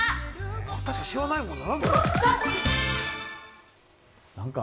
確かにシワないもんな。